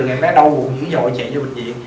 em bé đau bụng dữ dội chạy vô bệnh viện